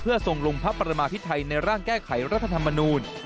ทรงลงพระประมาพิไทยในร่างแก้ไขรัฐธรรมนูล